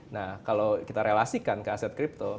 nah kalau kita relasikan ke aset kripto